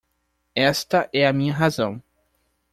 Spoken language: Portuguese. Esta é a minha razão